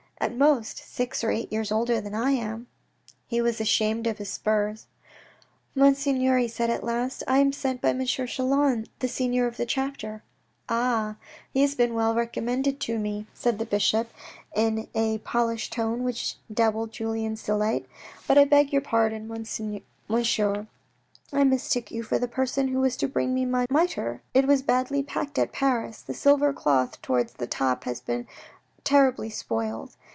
" At most six or eight years older than I am !" He was ashamed of his spurs.' " Monseigneur," he said at last, " I am sent by M. Chelan, the senior of the chapter." " Ah, he has been well recommended to me," said the bishop in a polished tone which doubled Julien's delight, " But I beg your pardon, Monsieur, I mistook you for the person who was to bring me my mitre. It was badly packed at Paris. The silver cloth towards the top has been terribly spoiled.